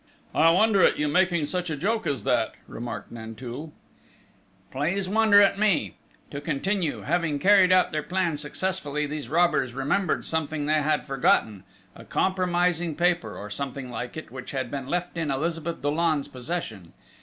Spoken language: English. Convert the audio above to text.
"I wonder at you making such a joke as that!" remarked Nanteuil. "Please wonder at me!... To continue!... Having carried out their plan successfully, these robbers remembered something they had forgotten a compromising paper, or something like it, which had been left in Elizabeth Dollon's possession.